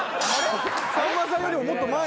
・さんまさんよりももっと前。